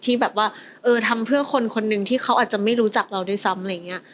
ที่แบบว่าเออทำเพื่อคนคนหนึ่งที่เขาอาจจะไม่รู้จักเราด้วยซ้ำอะไรอย่างเงี้ย